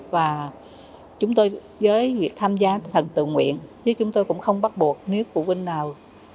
và chúng tôi với việc tham gia thần tự nguyện chứ chúng tôi cũng không bắt buộc nếu phụ huynh nào